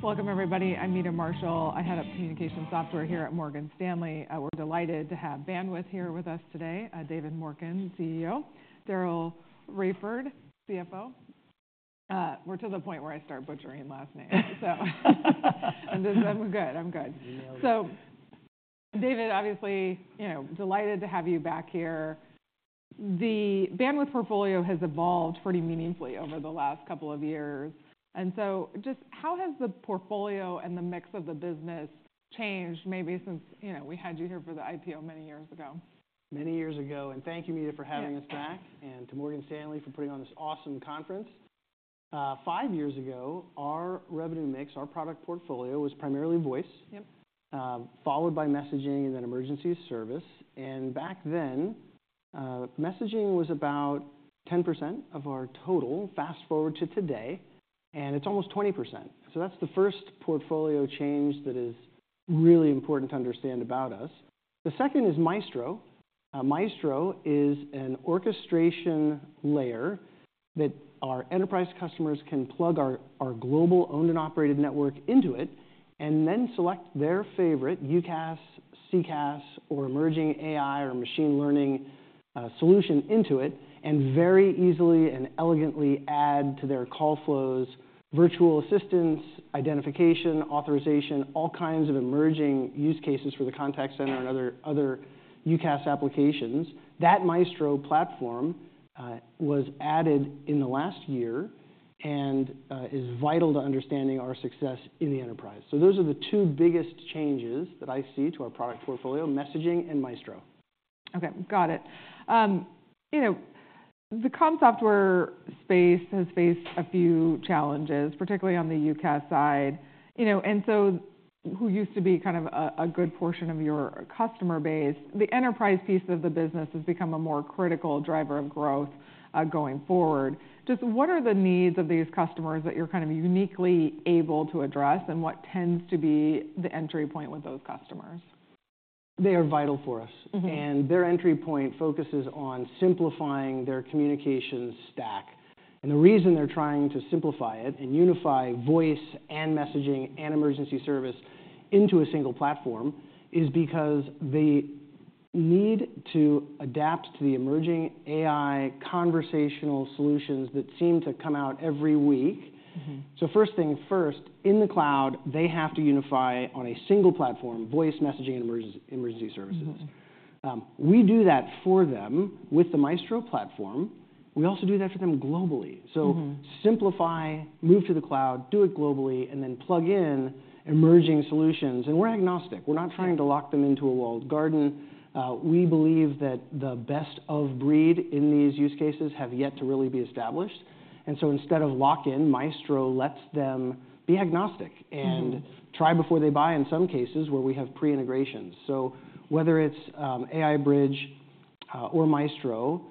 Welcome, everybody. I'm Meta Marshall. I head up communications software here at Morgan Stanley. We're delighted to have Bandwidth here with us today. David Morken, CEO, Daryl Raiford, CFO. We're to the point where I start butchering last names. So I'm good. I'm good. You nailed it. So David, obviously, you know, delighted to have you back here. The Bandwidth portfolio has evolved pretty meaningfully over the last couple of years, and so just how has the portfolio and the mix of the business changed, maybe since, you know, we had you here for the IPO many years ago? Many years ago. Thank you, Meta, for having us back- Yeah And to Morgan Stanley for putting on this awesome conference. Five years ago, our revenue mix, our product portfolio, was primarily voice- Yep... followed by messaging and then emergency service, and back then, messaging was about 10% of our total. Fast-forward to today, and it's almost 20%, so that's the first portfolio change that is really important to understand about us. The second is Maestro. Maestro is an orchestration layer that our enterprise customers can plug our global owned and operated network into it and then select their favorite UCaaS, CCaaS, or emerging AI or machine learning solution into it, and very easily and elegantly add to their call flows, virtual assistants, identification, authorization, all kinds of emerging use cases for the contact center and other UCaaS applications. That Maestro platform was added in the last year and is vital to understanding our success in the enterprise. Those are the two biggest changes that I see to our product portfolio, messaging and Maestro. Okay, got it. You know, the comm software space has faced a few challenges, particularly on the UCaaS side, you know, and so what used to be kind of a good portion of your customer base, the enterprise piece of the business, has become a more critical driver of growth, going forward. Just what are the needs of these customers that you're kind of uniquely able to address, and what tends to be the entry point with those customers? They are vital for us. Their entry point focuses on simplifying their communications stack, and the reason they're trying to simplify it and unify voice and messaging and emergency service into a single platform is because they need to adapt to the emerging AI conversational solutions that seem to come out every week. First thing first, in the cloud, they have to unify on a single platform, voice messaging, and emergency services. We do that for them with the Maestro platform. We also do that for them globally. So simplify, move to the cloud, do it globally, and then plug in emerging solutions. And we're agnostic. We're not trying- Sure... to lock them into a walled garden. We believe that the best of breed in these use cases have yet to really be established, and so instead of lock-in, Maestro lets them be agnostic-... and try before they buy, in some cases, where we have pre-integrations. So whether it's, AI Bridge, or Maestro,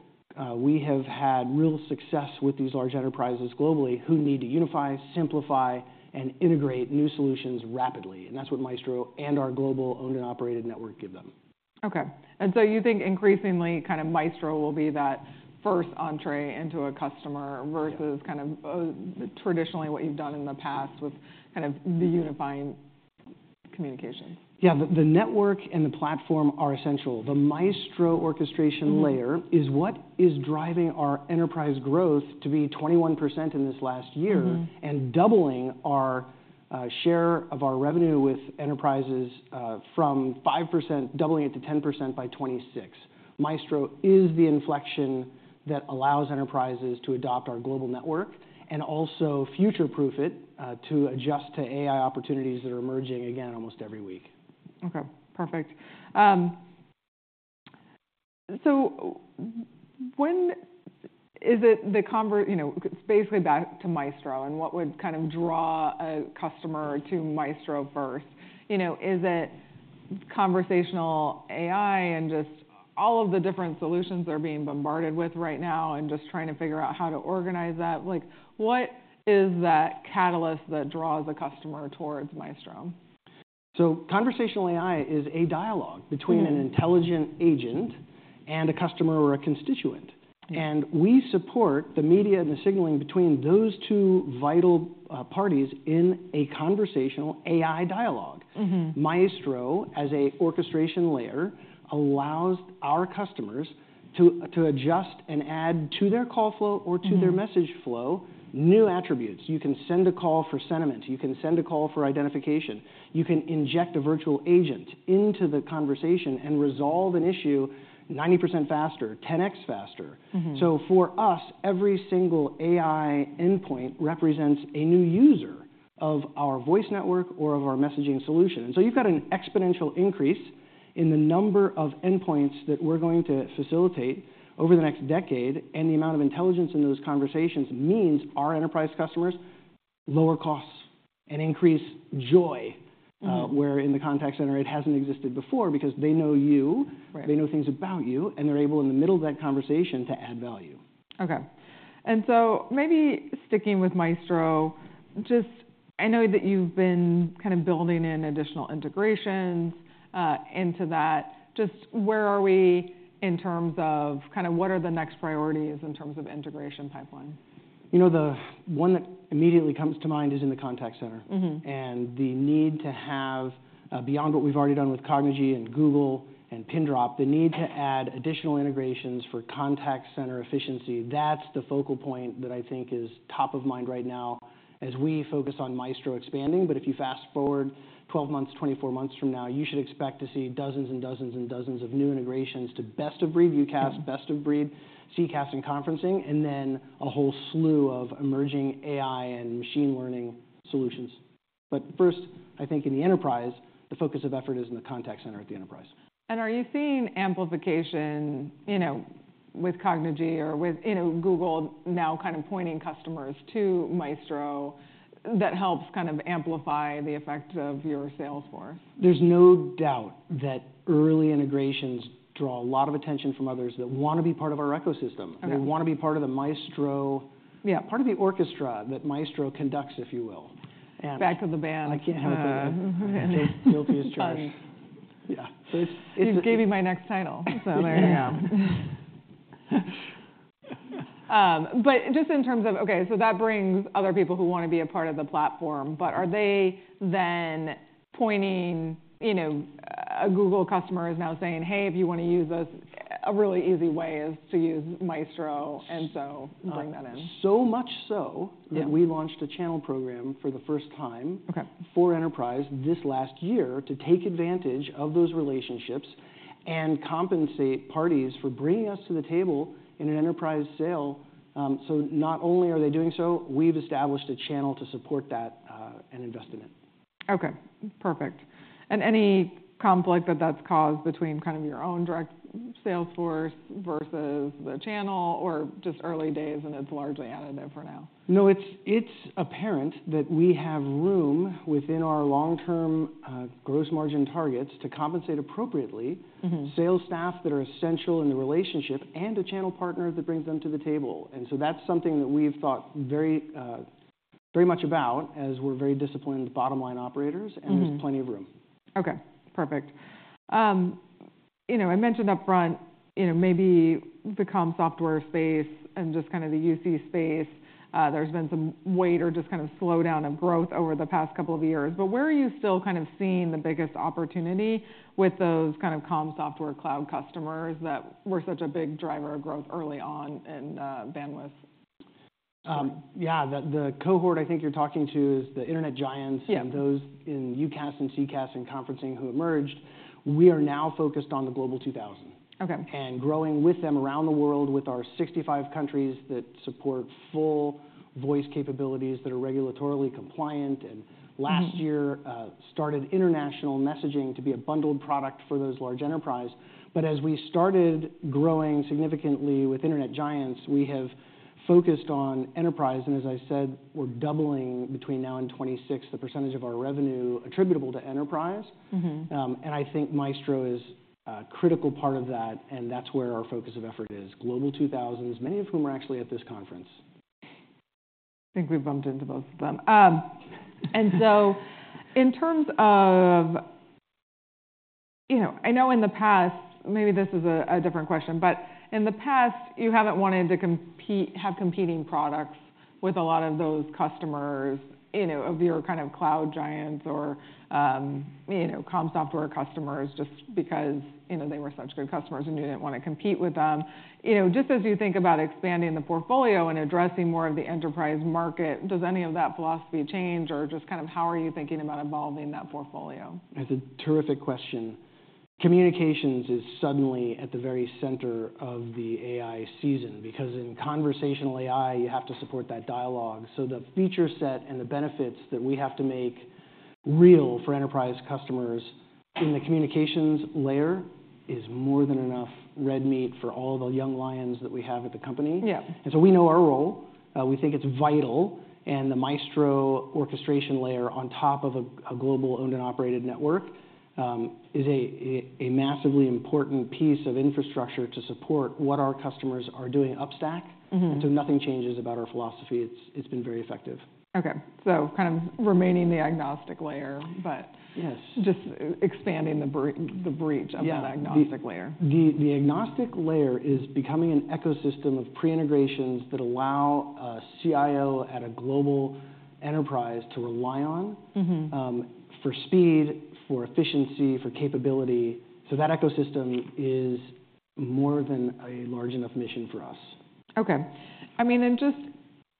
we have had real success with these large enterprises globally who need to unify, simplify, and integrate new solutions rapidly, and that's what Maestro and our global owned and operated network give them. Okay, and so you think increasingly, kind of Maestro will be that first entree into a customer- Yeah... versus kind of, traditionally, what you've done in the past with kind of- The unifying communication? Yeah. The network and the platform are essential. The Maestro orchestration layer-... is what is driving our enterprise growth to be 21% in this last year-... and doubling our share of our revenue with enterprises from 5%, doubling it to 10% by 2026. Maestro is the inflection that allows enterprises to adopt our global network and also future-proof it to adjust to AI opportunities that are emerging again almost every week. Okay, perfect. So you know, basically back to Maestro and what would kind of draw a customer to Maestro first? You know, is it conversational AI and just all of the different solutions they're being bombarded with right now and just trying to figure out how to organize that? Like, what is that catalyst that draws a customer towards Maestro? Conversational AI is a dialogue between-... an intelligent agent and a customer or a constituent. Yeah. We support the media and the signaling between those two vital parties in a conversational AI dialogue. Maestro, as an orchestration layer, allows our customers to adjust and add to their call flow or-... to their message flow, new attributes. You can send a call for sentiment. You can send a call for identification. You can inject a virtual agent into the conversation and resolve an issue 90% faster, 10x faster. So for us, every single AI endpoint represents a new user of our voice network or of our messaging solution. So you've got an exponential increase in the number of endpoints that we're going to facilitate over the next decade, and the amount of intelligence in those conversations means our enterprise customers lower costs and increase joy-... where in the contact center, it hasn't existed before because they know you- Right... they know things about you, and they're able, in the middle of that conversation, to add value. Okay, and so maybe sticking with Maestro, just I know that you've been kind of building in additional integrations into that. Just where are we in terms of kind of what are the next priorities in terms of integration pipeline? You know, the one that immediately comes to mind is in the contact center. The need to have, beyond what we've already done with Cognigy and Google and Pindrop, the need to add additional integrations for contact center efficiency, that's the focal point that I think is top of mind right now as we focus on Maestro expanding. If you fast-forward 12 months, 24 months from now, you should expect to see dozens and dozens and dozens of new integrations to best of breed UCaaS, best of breed CCaaS, and conferencing, and then a whole slew of emerging AI and machine learning solutions. First, I think in the enterprise, the focus of effort is in the contact center at the enterprise. Are you seeing amplification, you know, with Cognigy or with, you know, Google now kind of pointing customers to Maestro that helps kind of amplify the effect of your sales force? There's no doubt that early integrations draw a lot of attention from others that wanna be part of our ecosystem- Okay. they wanna be part of the Maestro... Yeah, part of the orchestra that Maestro conducts, if you will, and- Back of the band. I can't help it. Guilty as charged. It's fun. Yeah. So it's- You gave me my next title, so there you go. But just in terms of... Okay, so that brings other people who wanna be a part of the platform, but are they then pointing... You know, a Google customer is now saying, "Hey, if you want to use us, a really easy way is to use Maestro," and so bring that in? So much so- Yeah... that we launched a channel program for the first time- Okay... for Enterprise this last year, to take advantage of those relationships and compensate parties for bringing us to the table in an enterprise sale. So not only are they doing so, we've established a channel to support that, and invest in it. Okay, perfect. And any conflict that that's caused between kind of your own direct sales force versus the channel, or just early days, and it's largely additive for now? No, it's, it's apparent that we have room within our long-term gross margin targets to compensate appropriately-... sales staff that are essential in the relationship and a channel partner that brings them to the table. And so that's something that we've thought very, very much about, as we're very disciplined bottom-line operators-... and there's plenty of room. Okay, perfect. You know, I mentioned upfront, you know, maybe the comm software space and just kind of the UC space, there's been some weight or just kind of slowdown of growth over the past couple of years. But where are you still kind of seeing the biggest opportunity with those kind of comm software cloud customers that were such a big driver of growth early on in, Bandwidth? Yeah, the cohort I think you're talking to is the internet giants- Yeah... and those in UCaaS and CCaaS and conferencing who emerged. We are now focused on the Global 2000. Okay. And growing with them around the world, with our 65 countries that support full voice capabilities that are regulatorily compliant, and-... last year, started international messaging to be a bundled product for those large enterprise. But as we started growing significantly with internet giants, we have focused on enterprise, and as I said, we're doubling between now and 2026, the percentage of our revenue attributable to enterprise. I think Maestro is a critical part of that, and that's where our focus of effort is. Global 2000, many of whom are actually at this conference. I think we've bumped into both of them. And so in terms of... You know, I know in the past, maybe this is a different question, but in the past, you haven't wanted to have competing products with a lot of those customers, you know, of your kind of cloud giants or, you know, comm software customers, just because, you know, they were such good customers and you didn't want to compete with them. You know, just as you think about expanding the portfolio and addressing more of the enterprise market, does any of that philosophy change, or just kind of how are you thinking about evolving that portfolio? That's a terrific question. Communications is suddenly at the very center of the AI season because in conversational AI, you have to support that dialogue. The feature set and the benefits that we have to make real for enterprise customers in the communications layer is more than enough red meat for all the young lions that we have at the company. Yeah. And so we know our role, we think it's vital, and the Maestro orchestration layer on top of a massively important piece of infrastructure to support what our customers are doing upstack. Nothing changes about our philosophy. It's been very effective. Okay. So kind of remaining the agnostic layer, but- Yes... just expanding the reach- Yeah... of that agnostic layer. The agnostic layer is becoming an ecosystem of pre-integrations that allow a CIO at a global enterprise to rely on-... for speed, for efficiency, for capability. So that ecosystem is more than a large enough mission for us. Okay. I mean,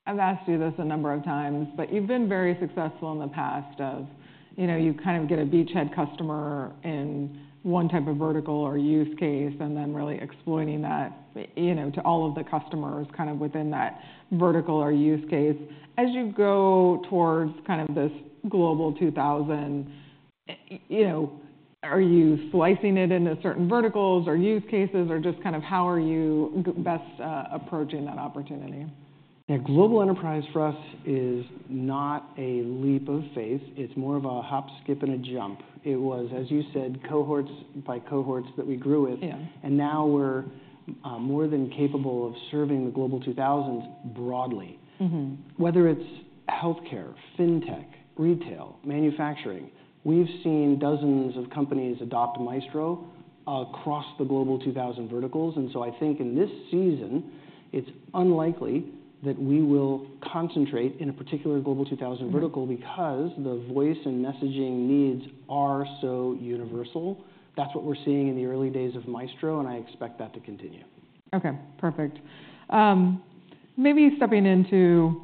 I've asked you this a number of times, but you've been very successful in the past of, you know, you kind of get a beachhead customer in one type of vertical or use case, and then really exploiting that, you know, to all of the customers, kind of within that vertical or use case. As you go towards kind of this Global 2000, you know, are you slicing it into certain verticals or use cases, or just kind of how are you best approaching that opportunity? Yeah, global enterprise for us is not a leap of faith. It's more of a hop, skip, and a jump. It was, as you said, cohorts by cohorts that we grew with- Yeah... and now we're more than capable of serving the Global 2000 broadly. Mm-hmm, whether it's healthcare, fintech, retail, manufacturing, we've seen dozens of companies adopt Maestro across the Global 2000 verticals. And so I think in this season, it's unlikely that we will concentrate in a particular Global 2000 vertical- Because the voice and messaging needs are so universal. That's what we're seeing in the early days of Maestro, and I expect that to continue. Okay, perfect. Maybe stepping into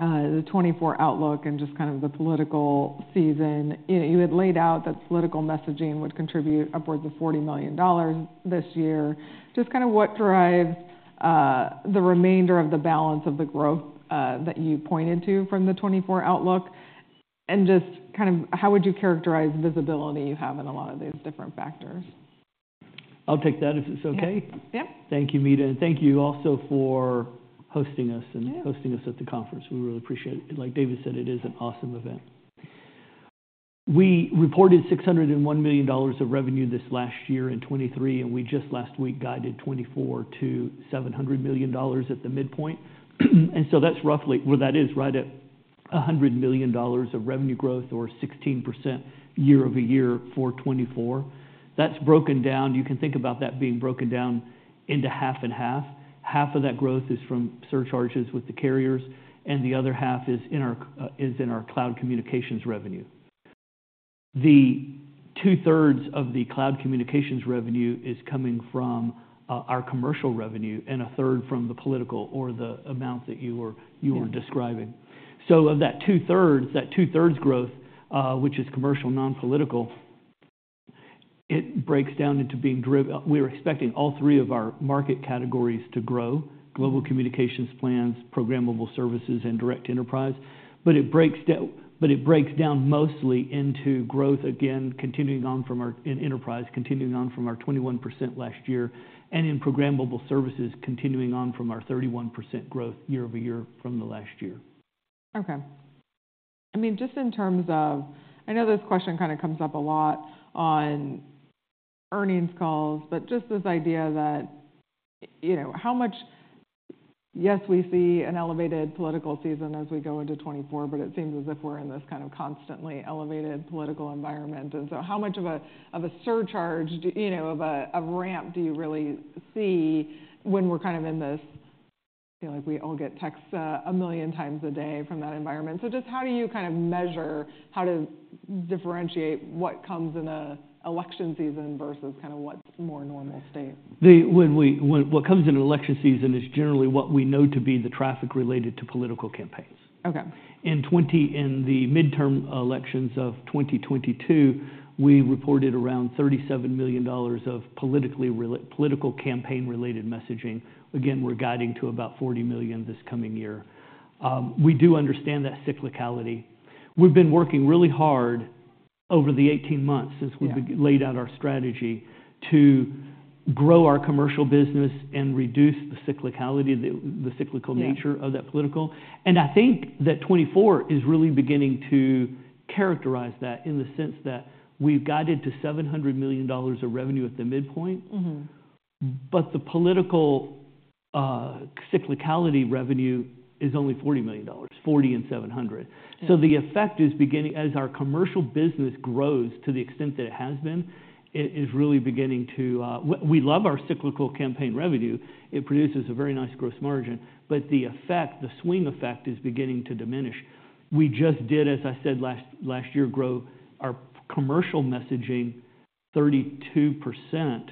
the 2024 outlook and just kind of the political season. You had laid out that political messaging would contribute upwards of $40 million this year. Just kind of what drives the remainder of the balance of the growth that you pointed to from the 2024 outlook? And just kind of how would you characterize visibility you have in a lot of these different factors? I'll take that, if it's okay. Yeah. Yeah. Thank you, Meta, and thank you also for hosting us- Yeah. -and hosting us at the conference. We really appreciate it. Like David said, it is an awesome event. We reported $601 million of revenue this last year in 2023, and we just last week guided 2024 to $700 million at the midpoint. And so that's roughly. Well, that is right at $100 million of revenue growth or 16% year-over-year for 2024. That's broken down. You can think about that being broken down into half and half. Half of that growth is from surcharges with the carriers, and the other half is in our c- is in our cloud communications revenue. The two-thirds of the cloud communications revenue is coming from, our commercial revenue, and a third from the political or the amount that you were- Yeah. You were describing. So of that two-thirds, that two-thirds growth, which is commercial, non-political, it breaks down into being driven. We are expecting all three of our market categories to grow: global communications plans, programmable services, and direct enterprise. But it breaks down mostly into growth, again, continuing on from our in enterprise, continuing on from our 21% last year, and in programmable services, continuing on from our 31% growth year-over-year from the last year. Okay. I mean, just in terms of... I know this question kind of comes up a lot on earnings calls, but just this idea that, you know, how much-- Yes, we see an elevated political season as we go into 2024, but it seems as if we're in this kind of constantly elevated political environment. And so how much of a, of a surcharge, you know, of a ramp do you really see when we're kind of in this, feel like we all get texts a million times a day from that environment? So just how do you kind of measure how to differentiate what comes in an election season versus kind of what's more normal state? What comes in an election season is generally what we know to be the traffic related to political campaigns. Okay. In the midterm elections of 2022, we reported around $37 million of political campaign-related messaging. Again, we're guiding to about $40 million this coming year. We do understand that cyclicality. We've been working really hard over the 18 months- Yeah -since we laid out our strategy, to grow our commercial business and reduce the cyclicality, the cyclical nature- Yeah of that political. And I think that 24 is really beginning to characterize that in the sense that we've guided to $700 million of revenue at the midpoint. But the political cyclicality revenue is only $40 million, 40 and 700. Yeah. So the effect is beginning. As our commercial business grows to the extent that it has been, it is really beginning to. We love our cyclical campaign revenue. It produces a very nice gross margin, but the effect, the swing effect, is beginning to diminish. We just did, as I said, last year, grow our commercial messaging 32%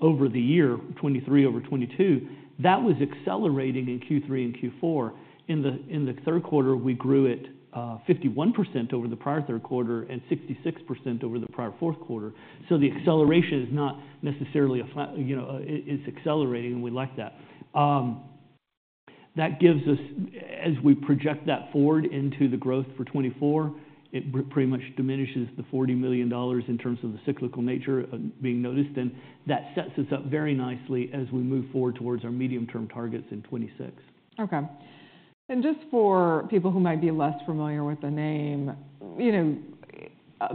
over the year, 2023 over 2022. That was accelerating in Q3 and Q4. In the third quarter, we grew at 51% over the prior third quarter and 66% over the prior fourth quarter. So the acceleration is not necessarily a you know, it, it's accelerating, and we like that. That gives us... As we project that forward into the growth for 2024, it pretty much diminishes the $40 million in terms of the cyclical nature of being noticed, and that sets us up very nicely as we move forward towards our medium-term targets in 2026. Okay. Just for people who might be less familiar with the name, you know,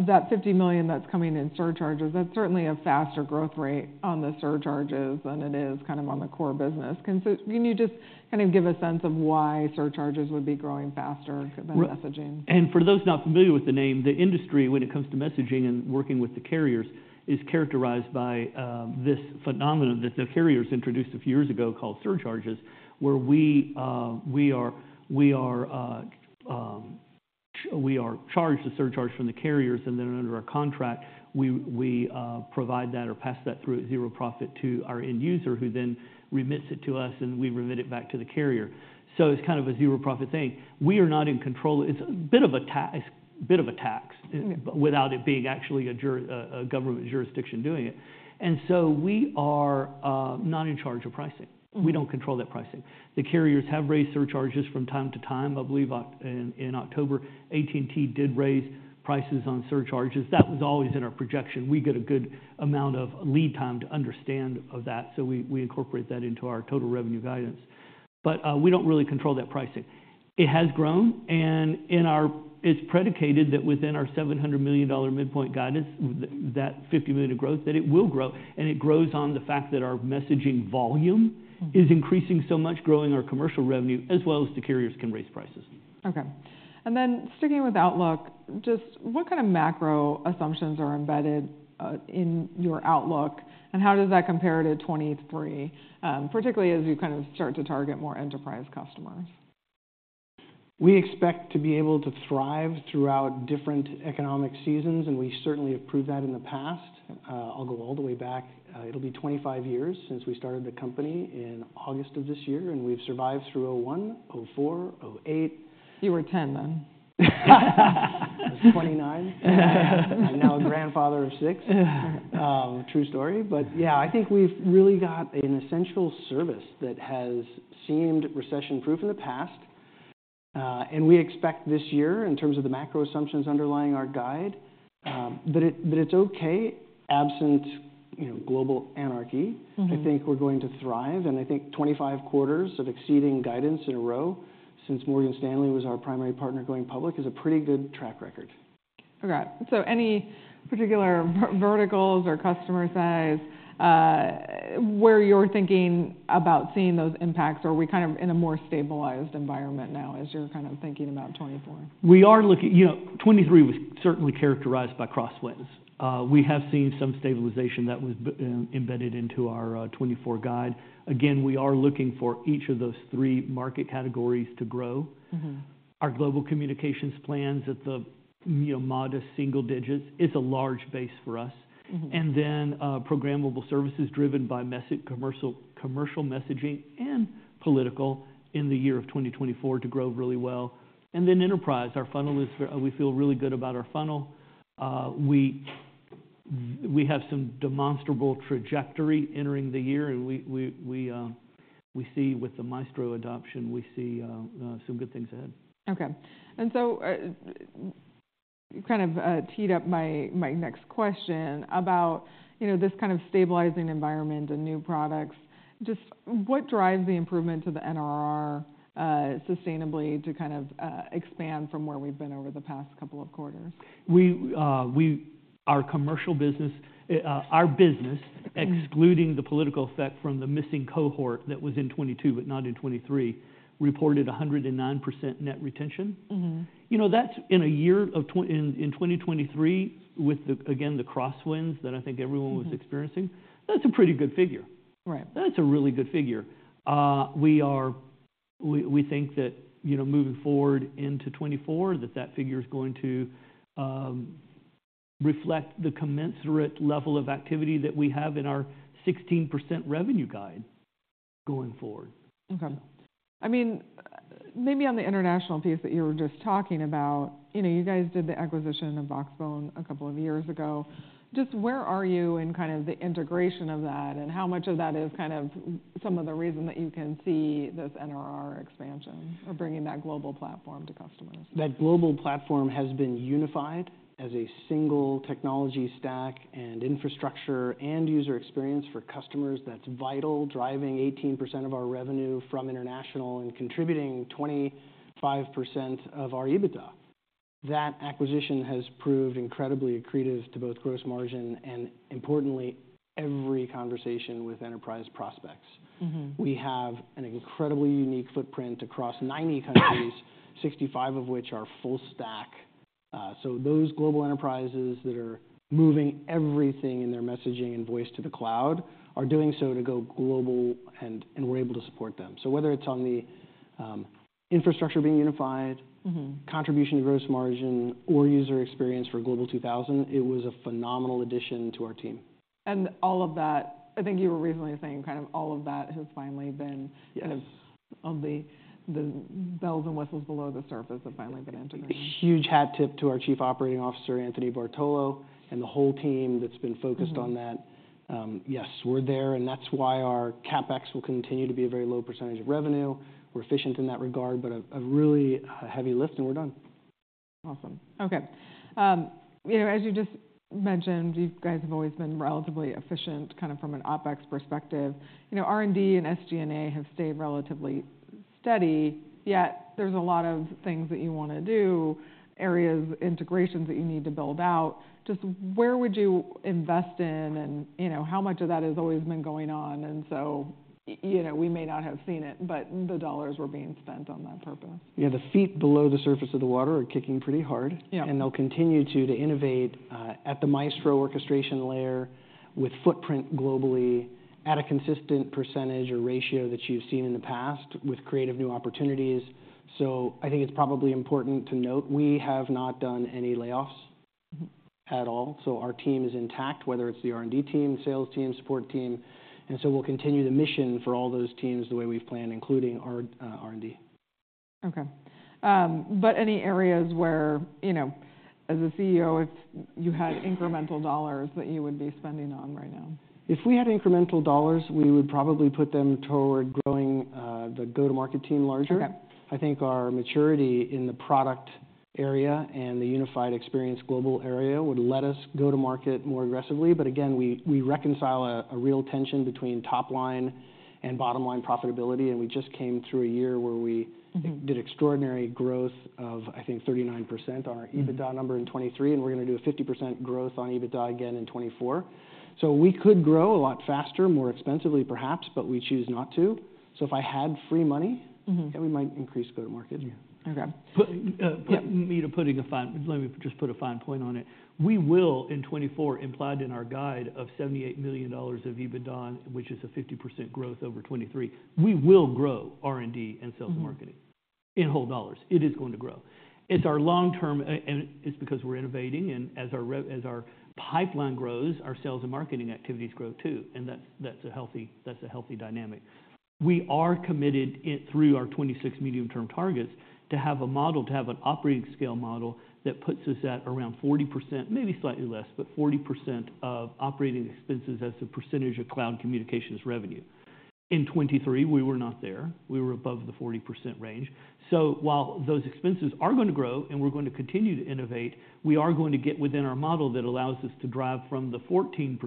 that $50 million that's coming in surcharges, that's certainly a faster growth rate on the surcharges than it is kind of on the core business. Can you just kind of give a sense of why surcharges would be growing faster than messaging? And for those not familiar with the name, the industry, when it comes to messaging and working with the carriers, is characterized by this phenomenon that the carriers introduced a few years ago called surcharges, where we are charged a surcharge from the carriers, and then under our contract, we provide that or pass that through at zero profit to our end user, who then remits it to us, and we remit it back to the carrier. So it's kind of a zero-profit thing. We are not in control. It's a bit of a tax-... without it being actually a jurisdiction doing it. And so we are not in charge of pricing. We don't control that pricing. The carriers have raised surcharges from time to time. I believe in October, AT&T did raise prices on surcharges. That was always in our projection. We get a good amount of lead time to understand of that, so we incorporate that into our total revenue guidance. But, we don't really control that pricing.... It has grown, and in our, it's predicated that within our $700 million midpoint guidance, that $50 million of growth, that it will grow, and it grows on the fact that our messaging volume- - is increasing so much, growing our commercial revenue, as well as the carriers can raise prices. Okay. Then sticking with outlook, just what kind of macro assumptions are embedded in your outlook, and how does that compare to 2023, particularly as you kind of start to target more enterprise customers? We expect to be able to thrive throughout different economic seasons, and we certainly have proved that in the past. I'll go all the way back, it'll be 25 years since we started the company in August of this year, and we've survived through '01, '04, '08. You were 10 then. I was 29. I'm now a grandfather of six. True story. But yeah, I think we've really got an essential service that has seemed recession-proof in the past. And we expect this year, in terms of the macro assumptions underlying our guide, that it, that it's okay, absent, you know, global anarchy. I think we're going to thrive, and I think 25 quarters of exceeding guidance in a row since Morgan Stanley was our primary partner going public, is a pretty good track record. Okay. So any particular verticals or customer size, where you're thinking about seeing those impacts, or are we kind of in a more stabilized environment now, as you're kind of thinking about 2024? We are looking... You know, 2023 was certainly characterized by crosswinds. We have seen some stabilization that was embedded into our 2024 guide. Again, we are looking for each of those three market categories to grow. Our global communications plans at the, you know, modest single digits, it's a large base for us. And then, programmable services driven by messaging, commercial, commercial messaging and political in the year of 2024 to grow really well. And then enterprise. Our funnel—we feel really good about our funnel. We have some demonstrable trajectory entering the year, and we see with the Maestro adoption, we see some good things ahead. Okay. And so, you kind of teed up my, my next question about, you know, this kind of stabilizing environment and new products. Just what drives the improvement to the NRR sustainably to kind of expand from where we've been over the past couple of quarters? We, our commercial business, our business-... excluding the political effect from the missing cohort that was in 2022 but not in 2023, reported 109% net retention. You know, that's in 2023, with the, again, the crosswinds that I think everyone-... was experiencing, that's a pretty good figure. Right. That's a really good figure. We think that, you know, moving forward into 2024, that that figure is going to reflect the commensurate level of activity that we have in our 16% revenue guide going forward. Okay. I mean, maybe on the international piece that you were just talking about, you know, you guys did the acquisition of Voxbone a couple of years ago. Just where are you in kind of the integration of that, and how much of that is kind of some of the reason that you can see this NRR expansion or bringing that global platform to customers? That global platform has been unified as a single technology stack and infrastructure, and user experience for customers that's vital, driving 18% of our revenue from international and contributing 25% of our EBITDA. That acquisition has proved incredibly accretive to both gross margin and importantly, every conversation with enterprise prospects. We have an incredibly unique footprint across 90 countries, 65 of which are full stack. So those global enterprises that are moving everything in their messaging and voice to the cloud are doing so to go global, and, and we're able to support them. So whether it's on the infrastructure being unified-... contribution to gross margin or user experience for Global 2000, it was a phenomenal addition to our team. All of that, I think you were reasonably saying kind of all of that has finally been- Yes... kind of, the bells and whistles below the surface have finally been integrated. Huge hat tip to our Chief Operating Officer, Anthony Bartolo, and the whole team that's been-... focused on that. Yes, we're there, and that's why our CapEx will continue to be a very low percentage of revenue. We're efficient in that regard, but a really heavy lift, and we're done. Awesome. Okay. You know, as you just mentioned, you guys have always been relatively efficient, kind of from an OpEx perspective. You know, R&D and SG&A have stayed relatively steady, yet there's a lot of things that you want to do, areas, integrations that you need to build out. Just where would you invest in and, you know, how much of that has always been going on? And so, you know, we may not have seen it, but the dollars were being spent on that purpose. Yeah, the feet below the surface of the water are kicking pretty hard. Yeah. And they'll continue to innovate at the Maestro orchestration layer with footprint globally at a consistent percentage or ratio that you've seen in the past, with creative new opportunities. So I think it's probably important to note, we have not done any layoffs at all, so our team is intact, whether it's the R&D team, sales team, support team. And so we'll continue the mission for all those teams the way we've planned, including our R&D.... Okay. But any areas where, you know, as a CEO, if you had incremental dollars that you would be spending on right now? If we had incremental dollars, we would probably put them toward growing the go-to-market team larger. Okay. I think our maturity in the product area and the unified experience global area would let us go to market more aggressively, but again, we reconcile a real tension between top line and bottom line profitability, and we just came through a year where we-... did extraordinary growth of, I think, 39% on our- - EBITDA number in 2023, and we're gonna do a 50% growth on EBITDA again in 2024. So we could grow a lot faster, more expensively, perhaps, but we choose not to. So if I had free money-... then we might increase go-to-market. Okay. Put, uh- Yep. Let me just put a fine point on it. We will, in 2024, implied in our guide of $78 million of EBITDA, which is a 50% growth over 2023, we will grow R&D and sales-... and marketing. In whole dollars, it is going to grow. It's our long-term, and it's because we're innovating, and as our pipeline grows, our sales and marketing activities grow, too, and that's a healthy dynamic. We are committed in, through our 26 medium-term targets, to have a model, to have an operating scale model that puts us at around 40%, maybe slightly less, but 40% of operating expenses as a percentage of cloud communications revenue. In 2023, we were not there. We were above the 40% range. So while those expenses are going to grow and we're going to continue to innovate, we are going to get within our model that allows us to drive from the 14%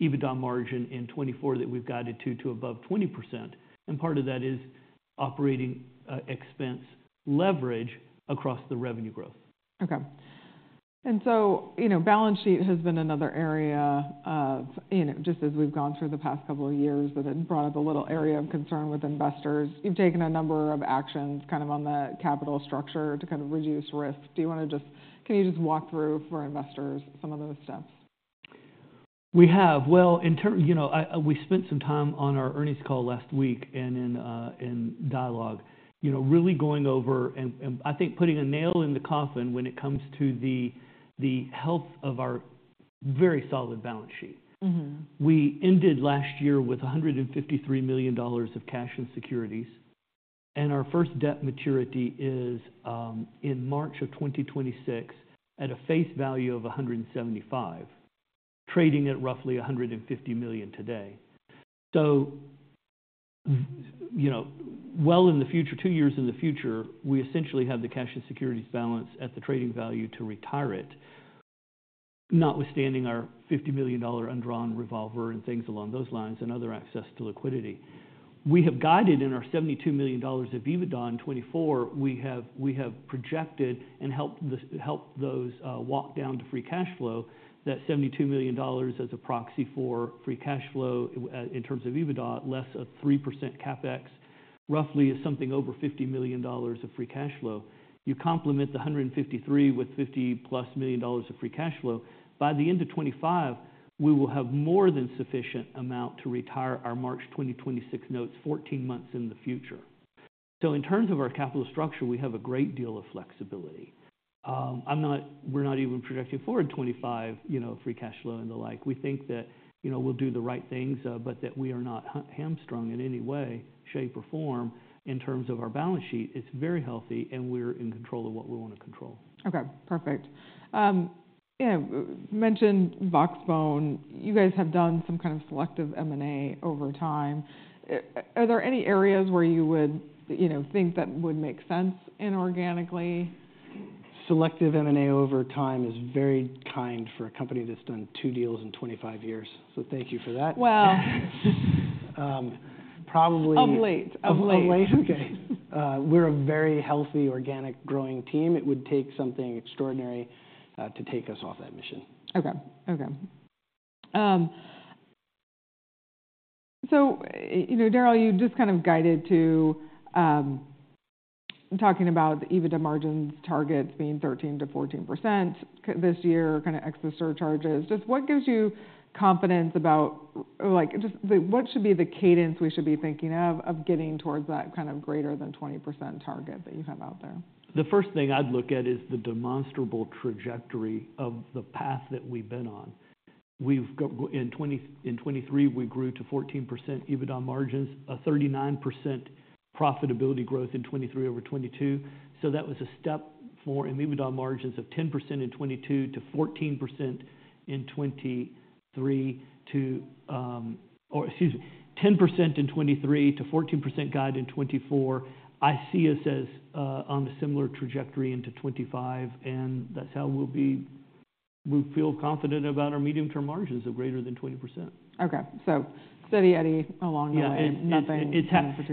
EBITDA margin in 2024 that we've guided to, to above 20%, and part of that is operating expense leverage across the revenue growth. Okay. And so, you know, balance sheet has been another area of, you know, just as we've gone through the past couple of years, that it brought up a little area of concern with investors. You've taken a number of actions kind of on the capital structure to kind of reduce risk. Do you wanna just... Can you just walk through, for our investors, some of those steps? We have. Well, in terms, you know, I, we spent some time on our earnings call last week and in dialogue. You know, really going over and I think putting a nail in the coffin when it comes to the health of our very solid balance sheet. We ended last year with $153 million of cash and securities, and our first debt maturity is in March 2026, at a face value of 175, trading at roughly $150 million today. So, you know, well in the future, two years in the future, we essentially have the cash and securities balance at the trading value to retire it, notwithstanding our $50 million undrawn revolver and things along those lines and other access to liquidity. We have guided $72 million of EBITDA in 2024, we have projected and helped this, helped those walk down to free cash flow, that $72 million as a proxy for free cash flow, in terms of EBITDA, less 3% CapEx, roughly is something over $50 million of free cash flow. You complement the $153 million with $50+ million of free cash flow, by the end of 2025, we will have more than sufficient amount to retire our March 2026 notes, 14 months in the future. So in terms of our capital structure, we have a great deal of flexibility. I'm not, we're not even projecting forward 2025, you know, free cash flow and the like. We think that, you know, we'll do the right things, but that we are not hamstrung in any way, shape, or form in terms of our balance sheet. It's very healthy, and we're in control of what we want to control. Okay, perfect. Yeah, mentioned Voxbone. You guys have done some kind of selective M&A over time. Are there any areas where you would, you know, think that would make sense inorganically? Selective M&A over time is very kind for a company that's done two deals in 25 years, so thank you for that. Well... Um, probably- Of late. Of late. Of late? Okay. We're a very healthy, organic, growing team. It would take something extraordinary to take us off that mission. Okay. So, you know, Daryl, you just kind of guided to talking about the EBITDA margins targets being 13%-14% this year, kinda ex the surcharges. Just what gives you confidence about... Like, just the, what should be the cadence we should be thinking of, of getting towards that kind of greater than 20% target that you have out there? The first thing I'd look at is the demonstrable trajectory of the path that we've been on. We've grown in 2023, we grew to 14% EBITDA margins, a 39% profitability growth in 2023 over 2022, so that was a step for EBITDA margins of 10% in 2022 to 14% in 2023 to, or excuse me, 10% in 2023 to 14% guide in 2024. I see us as on a similar trajectory into 2025, and that's how we feel confident about our medium-term margins of greater than 20%. Okay, so steady Eddie along the way- Yeah... nothing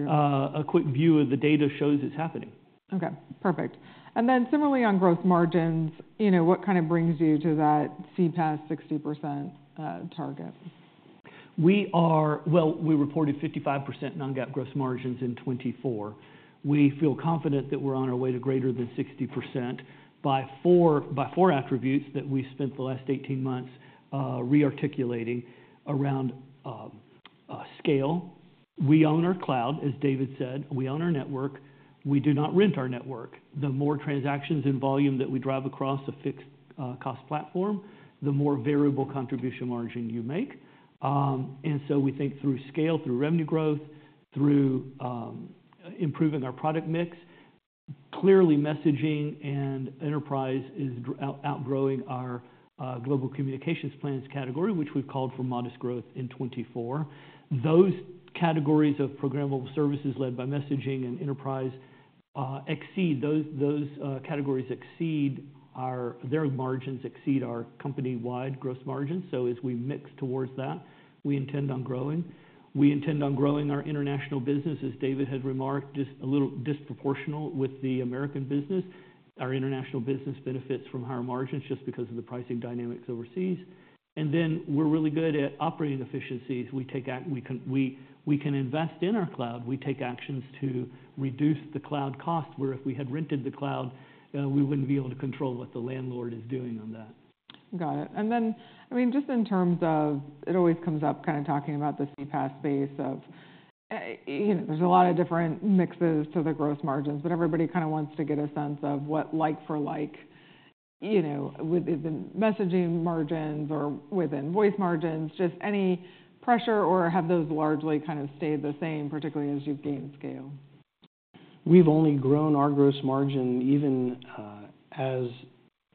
A quick view of the data shows it's happening. Okay, perfect. Then similarly, on gross margins, you know, what kind of brings you to that CPaaS 60% target? Well, we reported 55% non-GAAP gross margins in 2024. We feel confident that we're on our way to greater than 60% by 2024, by four attributes that we spent the last 18 months re-articulating around scale. We own our cloud, as David said. We own our network. We do not rent our network. The more transactions and volume that we drive across a fixed cost platform, the more variable contribution margin you make. And so we think through scale, through revenue growth, through improving our product mix. Clearly, messaging and enterprise is outgrowing our global communications plans category, which we've called for modest growth in 2024. Those categories of programmable services led by messaging and enterprise exceed those categories. Their margins exceed our company-wide gross margins. So as we move towards that, we intend on growing. We intend on growing our international business, as David had remarked, just a little disproportionate with the American business. Our international business benefits from higher margins just because of the pricing dynamics overseas. And then we're really good at operating efficiencies. We can invest in our cloud. We take actions to reduce the cloud cost, where if we had rented the cloud, we wouldn't be able to control what the landlord is doing on that. Got it. And then, I mean, just in terms of it always comes up kind of talking about the CPaaS space of, you know, there's a lot of different mixes to the gross margins, but everybody kinda wants to get a sense of what like for like, you know, within messaging margins or within voice margins, just any pressure, or have those largely kind of stayed the same, particularly as you've gained scale? We've only grown our gross margin even as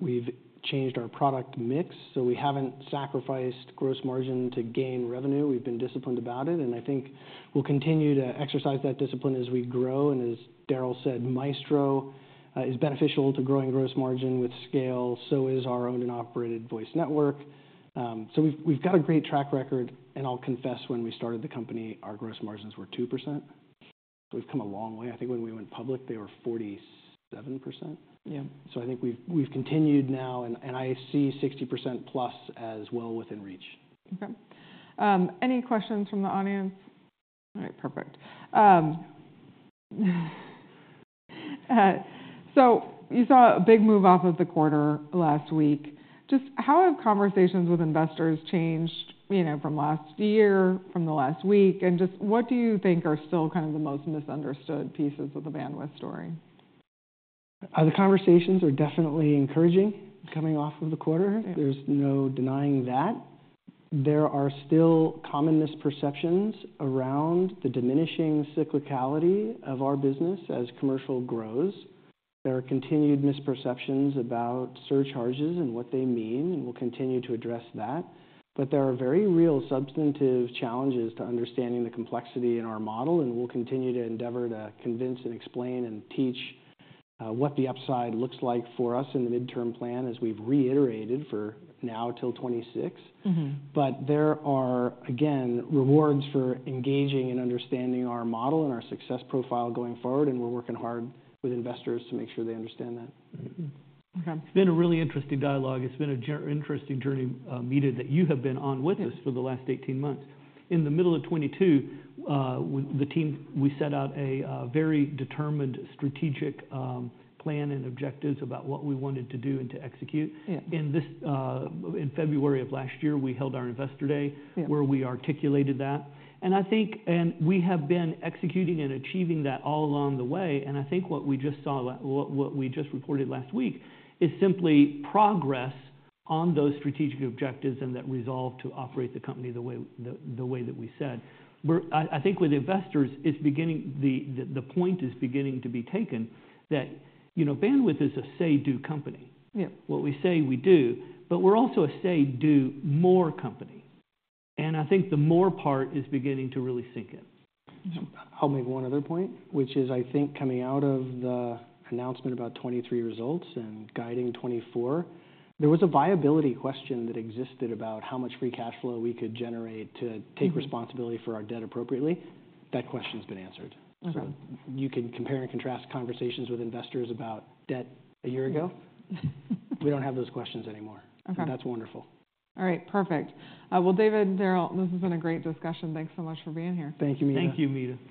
we've changed our product mix, so we haven't sacrificed gross margin to gain revenue. We've been disciplined about it, and I think we'll continue to exercise that discipline as we grow. And as Daryl said, Maestro is beneficial to growing gross margin with scale, so is our owned and operated voice network. So we've, we've got a great track record, and I'll confess, when we started the company, our gross margins were 2%. We've come a long way. I think when we went public, they were 47%. Yeah. I think we've continued now, and I see 60%+ as well within reach. Okay. Any questions from the audience? All right, perfect. So you saw a big move off of the quarter last week. Just how have conversations with investors changed, you know, from last year, from the last week, and just what do you think are still kind of the most misunderstood pieces of the Bandwidth story? The conversations are definitely encouraging coming off of the quarter. Yeah. There's no denying that. There are still common misperceptions around the diminishing cyclicality of our business as commercial grows. There are continued misperceptions about surcharges and what they mean, and we'll continue to address that. But there are very real substantive challenges to understanding the complexity in our model, and we'll continue to endeavor to convince and explain and teach what the upside looks like for us in the midterm plan, as we've reiterated, for now till 2026. But there are, again, rewards for engaging and understanding our model and our success profile going forward, and we're working hard with investors to make sure they understand that. Okay. It's been a really interesting dialogue. It's been an interesting journey, Meta, that you have been on with us- Yeah... for the last 18 months. In the middle of 2022, the team, we set out a very determined strategic plan and objectives about what we wanted to do and to execute. Yeah. In February of last year, we held our investor day- Yeah... where we articulated that, and I think we have been executing and achieving that all along the way, and I think what we just reported last week is simply progress on those strategic objectives and that resolve to operate the company the way, the way that we said. We're. I think with investors, it's beginning, the point is beginning to be taken that, you know, Bandwidth is a say-do company. Yeah. What we say, we do, but we're also a say-do more company, and I think the more part is beginning to really sink in. I'll make one other point, which is, I think, coming out of the announcement about 2023 results and guiding 2024, there was a viability question that existed about how much free cash flow we could generate to-... take responsibility for our debt appropriately. That question's been answered. Okay. You can compare and contrast conversations with investors about debt a year ago. We don't have those questions anymore. Okay. That's wonderful. All right. Perfect. Well, David and Daryl, this has been a great discussion. Thanks so much for being here. Thank you, Meta. Thank you, Meta.